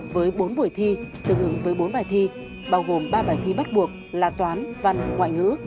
với bốn buổi thi tương ứng với bốn bài thi bao gồm ba bài thi bắt buộc là toán văn ngoại ngữ